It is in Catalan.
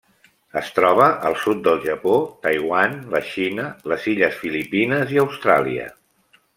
Es troba al sud del Japó, Taiwan, la Xina, les illes Filipines i Austràlia.